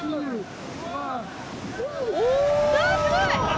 わあすごい！